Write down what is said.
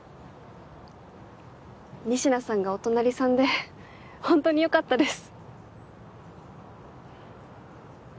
仁科さんがお隣さんでホントによかったです。